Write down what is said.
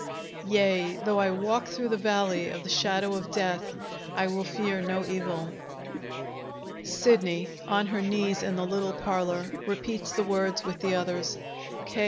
"Yea, though I walk through the valley of the shadow of death, I will fear no evil." Sidney, on her knees in the little parlor, repeats the words with the others. K.